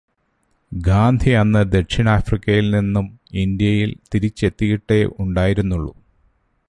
ഗാന്ധി അന്ന് ദക്ഷിണാഫ്രിക്കയില് നിന്നും ഇന്ത്യയില് തിരിച്ചെത്തിയിട്ടേ ഉണ്ടായിരുന്നുള്ളൂ.